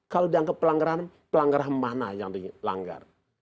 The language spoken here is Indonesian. kalau dianggap pelanggaran pelanggaran mana yang dilanggar